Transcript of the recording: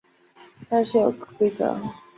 但是有个规则